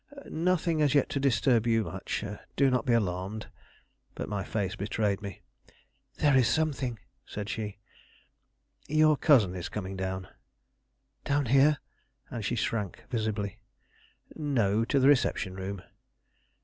"Nothing as yet to disturb you much. Do not be alarmed." But my face betrayed me. "There is something!" said she. "Your cousin is coming down." "Down here?" and she shrank visibly. "No, to the reception room."